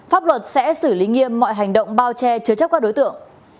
pháp luật sẽ xử lý nghiêm mọi hành động bao che chứa chấp các đối tượng